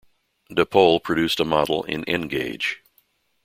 Dapol produce a model in N gauge.